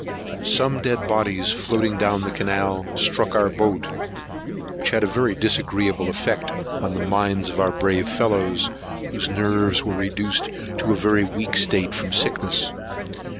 Some dead bodies floating down the canal struck our boat, which had a very disagreeable effect on the minds of our brave fellows, whose nerves were reduced to a very weak state from sickness.